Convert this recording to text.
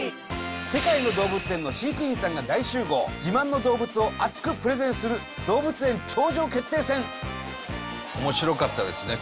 世界の動物園の飼育員さんが大集合自慢の動物を熱くプレゼンする動物園頂上決定戦面白かったですね